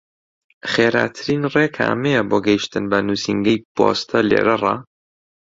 خێراترین ڕێ کامەیە بۆ گەیشتن بە نووسینگەی پۆستە لێرەڕا؟